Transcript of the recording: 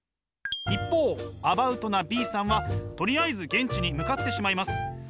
一方アバウトなＢさんはとりあえず現地に向かってしまいます。